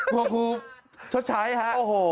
พวกครูชดใช้ฮะ